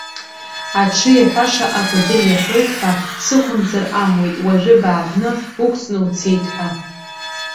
Аҽы иаҳәаша акәадыр иаҳәоит ҳәа, сықәымҵыр амуит, уажәы бааҳәны, уқәҵны уцеит ҳәа.